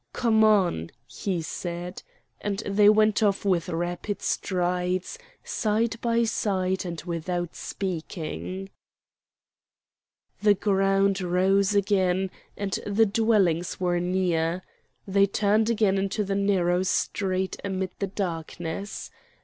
"Come on!" he said; and they went off with rapid strides, side by side, and without speaking. The ground rose again, and the dwellings were near. They turned again into the narrow streets amid the darkness.